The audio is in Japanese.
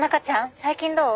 最近どう？